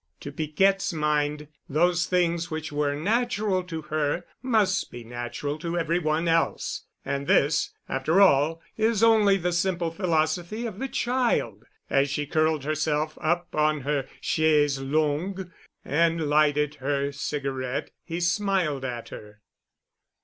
To Piquette's mind those things which were natural to her must be natural to every one else, and this, after all, is only the simple philosophy of the child. As she curled herself up on her chaise longue and lighted her cigarette he smiled at her.